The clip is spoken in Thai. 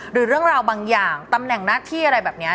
หรือเรื่องราวบางอย่างตำแหน่งหน้าที่อะไรแบบนี้